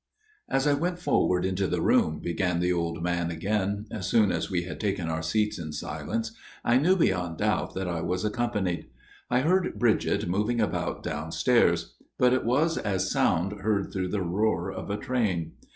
Ill " As I went forward into the room," began the old man again, as soon as we had taken our seats in silence, " I knew beyond doubt that I was accompanied. I heard Bridget moving about downstairs ; but it was as sound heard through the roar of a train.